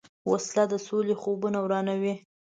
وسله د سولې خوبونه ورانوي